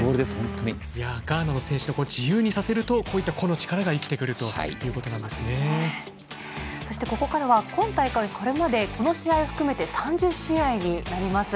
ガーナの選手自由にさせるとこういった個の力がそして、ここからは今大会これまで、この試合を含めて３０試合になります。